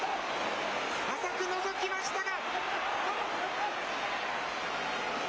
浅くのぞきましたが。